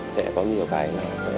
sẽ có nhiều cái